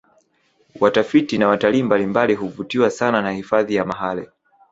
Watafiti na watalii mbalimbali huvutiwa sana na hifadhi ya mahale